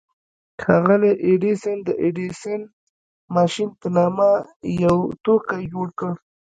ښاغلي ايډېسن د ايډېسن ماشين په نامه يو توکی جوړ کړ.